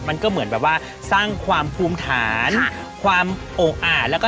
มันก็เหมือนแบบว่าสร้างความภูมิฐานความโอ้อา